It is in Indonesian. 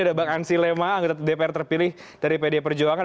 ada bang ansi lema anggota dpr terpilih dari pd perjuangan